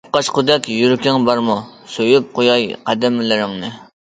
ئەپقاچقۇدەك يۈرىكىڭ بارمۇ؟ سۆيۈپ قوياي قەدەملىرىڭنى.